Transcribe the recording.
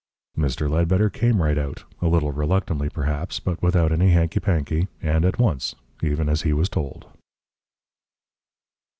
Mr. Ledbetter came right out, a little reluctantly perhaps, but without any hanky panky, and at once, even as he was told.